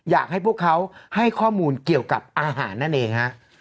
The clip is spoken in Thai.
อยากให้พวกเขาให้ข้อมูลเกี่ยวกับอาหารนั่นเองฮะ